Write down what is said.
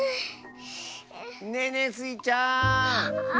ねえねえスイちゃん！